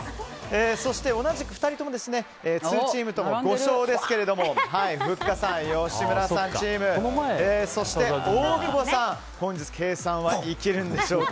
そして、同じく２人とも２チームとも５勝ですけどもふっかさん、吉村さんチームそして大久保さん本日、計算は生きるんでしょうか。